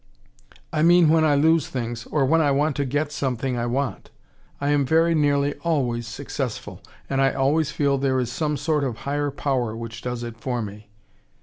"I mean when I lose things or when I want to get something I want I am very nearly ALWAYS successful. And I always feel there is some sort of higher power which does it for me."